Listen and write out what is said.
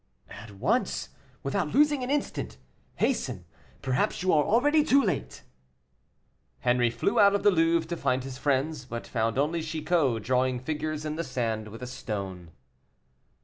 "At once, without losing an instant. Hasten; perhaps you are already too late." Henry flew out of the Louvre to find his friends, but found only Chicot drawing figures in the sand with a stone.